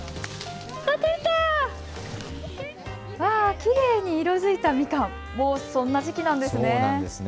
きれいに色づいたみかん、もうそんな時期なんですね。